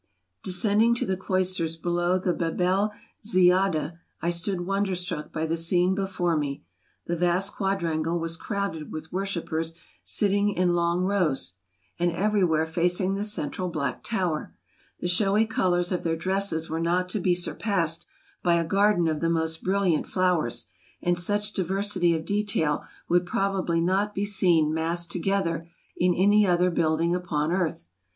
Descending to the cloisters below the Bab el Ziyadah, I stood wonderstruck by the scene before me. The vast quadrangle was crowded with worshipers sitting in long rows, and everywhere facing the central black tower ; the showy colors of their dresses were not to be surpassed by a garden of the most brilliant flowers, and such diversity of detail would probably not be seen massed together in any other building upon earth.